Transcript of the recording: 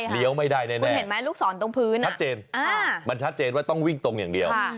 เรียวไม่ได้แน่มันชัดเจนว่าต้องวิ่งตรงอย่างเดียว